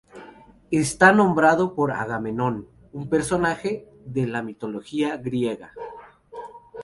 Está nombrado por Agamenón, un personaje de la mitología griega.